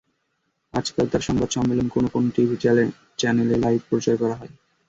আজকাল তাঁর সংবাদ সম্মেলন কোনো কোনো টিভি চ্যানেলে লাইভ প্রচার করা হয়।